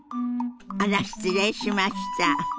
あら失礼しました！